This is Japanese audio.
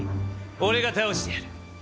俺が倒してやる。